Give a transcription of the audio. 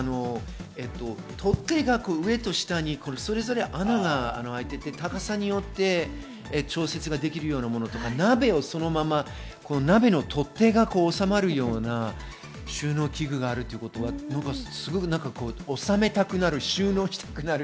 取っ手が上と下にそれぞれ穴が開いていて高さによって調節できるようなものとか鍋をそのまま、取っ手が収まるような収納器具があることをすごく収納したくなるというか、納めたくなる。